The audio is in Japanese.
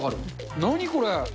何これ？